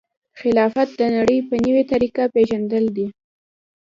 خلاقیت د نړۍ په نوې طریقه پېژندل دي.